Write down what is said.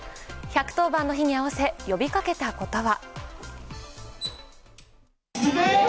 １１０番の日に合わせ呼びかけたことは。